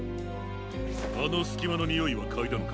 あのすきまのにおいはかいだのか？